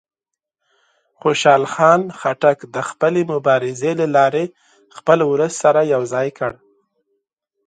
خوشحال خان خټک د خپلې مبارزې له لارې خپل ولس سره یو ځای کړ.